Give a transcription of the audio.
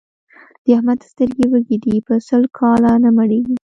د احمد سترګې وږې دي؛ په سل کاله نه مړېږي.